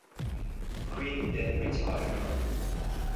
Crede then retired.